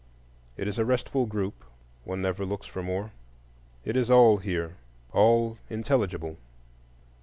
It is a restful group, —one never looks for more; it is all here, all intelligible.